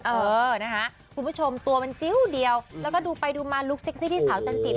เออนะคะคุณผู้ชมตัวมันจิ้วเดียวแล้วก็ดูไปดูมาลุคเซ็กซี่ที่สาวจันจิบ